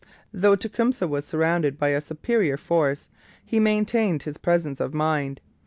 Though Tecumseh was surrounded by a superior force, he maintained his presence of mind.